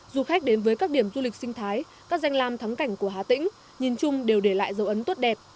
du khách đến với các điểm du lịch sinh thái các danh lam thắng cảnh của hà tĩnh nhìn chung đều để lại dấu ấn tốt đẹp